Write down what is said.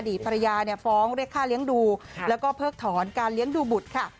ภรรยาเนี่ยฟ้องเรียกค่าเลี้ยงดูแล้วก็เพิกถอนการเลี้ยงดูบุตรค่ะ